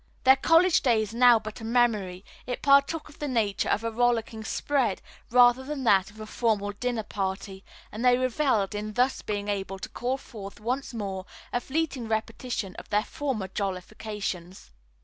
Their college days now but a memory, it partook of the nature of a rollicking spread, rather than of that of a formal dinner party, and they reveled in thus being able to call forth once more a fleeting repetition of their former jollifications.